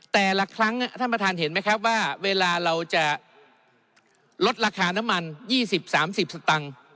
แต่ละครั้งท่านประธานเห็นไหมครับว่าเวลาเราจะลดราคาน้ำมัน๒๐๓๐สตังค์